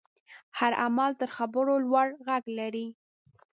هر عمل تر خبرو لوړ غږ لري.